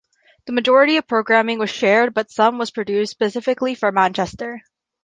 The majority of programming was shared but some was produced specifically for Manchester.